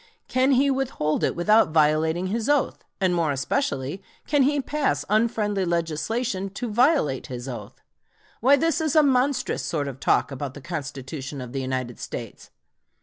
Can he withhold it without violating his oath? and more especially, can he pass unfriendly legislation to violate his oath? Why this is a monstrous sort of talk about the Constitution of the United States!